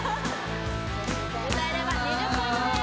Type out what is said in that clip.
歌えれば２０ポイントです